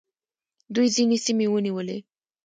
دوی ځینې سیمې ونیولې